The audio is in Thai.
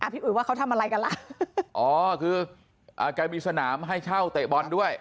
พี่อุ๋ยว่าเขาทำอะไรกันล่ะอ๋อคืออ่าแกมีสนามให้เช่าเตะบอลด้วย